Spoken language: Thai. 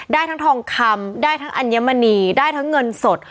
ได้ทั้งทองคำได้ทั้งอัญมณีได้ทั้งเงินสด